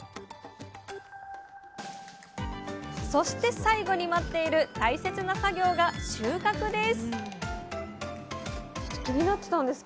そして最後に待っている大切な作業が収穫ですあ